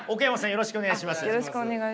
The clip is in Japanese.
よろしくお願いします。